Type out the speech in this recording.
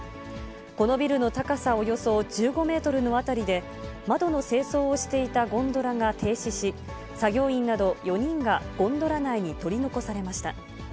このビルの高さおよそ１５メートルの辺りで、窓の清掃をしていたゴンドラが停止し、作業員など４人がゴンドラ内に取り残されました。